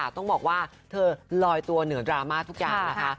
ต้องบอกว่าถ้ารอยตัวเหนือดราม่าทุกอย่าง